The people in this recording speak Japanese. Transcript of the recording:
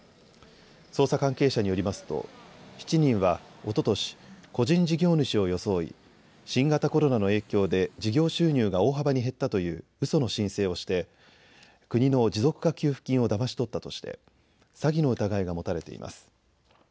捜査関係者によりますと７人はおととし、個人事業主を装い新型コロナの影響で事業収入が大幅に減ったといううその申請をして国の持続化給付金をだまし取ったとして詐欺の疑いが持たれています。